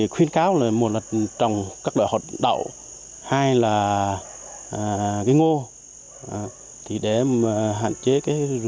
khuyên cáo là một là trồng các loại hột đậu hai là ngô để hạn chế rủi ro cho nông dân